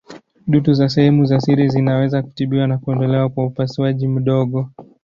Dutu za sehemu za siri zinaweza kutibiwa na kuondolewa kwa upasuaji mdogo.